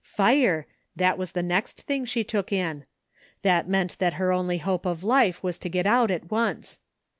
Fire ! That was the next thing she took in. That meant that ,her only hope of life was to get out at once.